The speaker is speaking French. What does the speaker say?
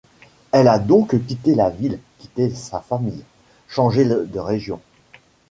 Elle a donc quitté la ville, quitté sa famille, changé de région.